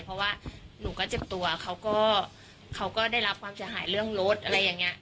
เพราะว่าหนูก็เจ็บตัวเขาก็เขาก็ได้รับความเสียหายเรื่องรถอะไรอย่างนี้